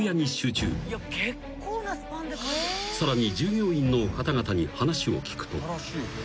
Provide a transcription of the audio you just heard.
［さらに］